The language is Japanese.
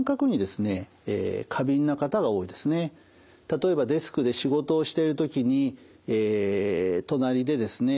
例えばデスクで仕事をしてる時に隣でですね